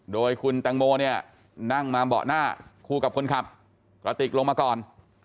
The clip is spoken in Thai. โดยคุณแตงโมเนี่ยนั่งมาเบาะหน้าคู่กับคนขับกระติกลงมาก่อน